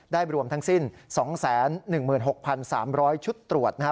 ได้รวมทั้งสิ้น๒๑๖๓๐๐ชุดตรวจนะครับ